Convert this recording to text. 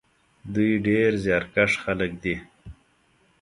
دوی ډېر زیارکښ خلک دي.